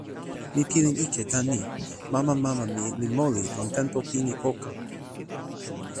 mi pilin ike tan ni: mama mama mi li moli lon tenpo pini poka.